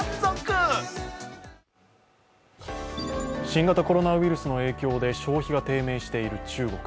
新型コロナウイルスの影響で消費が低迷している中国。